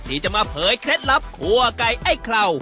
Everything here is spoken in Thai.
ที่จะมาเผยเคล็ดลับคั่วไก่ไอ้เครา